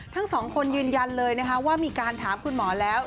ทั้งสองคนยืนยันเลยนะคะว่ามีการถามคุณหมอแล้ว